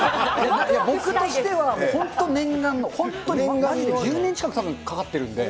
僕としては、もう本当、念願の、本当、念願の、１０年近く、たぶんかかってるので。